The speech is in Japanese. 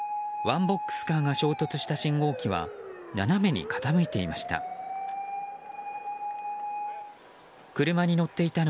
ワンボックスカーが衝突した信号機は斜めに傾いていました。